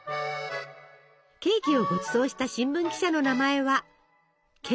ケーキをごちそうした新聞記者の名前はケストナーさん。